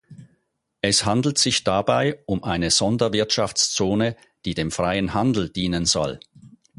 Es handelt sich dabei um eine Sonderwirtschaftszone, die dem freien Handel dienen soll.